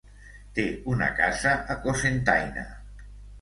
Té una casa a Cocentaina.